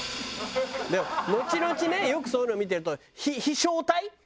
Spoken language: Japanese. でも後々ねよくそういうの見てると飛翔体？